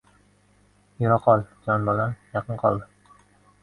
— Yura qol, jon bolam, yaqin qoldi.